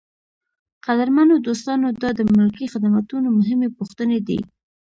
قدرمنو دوستانو دا د ملکي خدمتونو مهمې پوښتنې دي.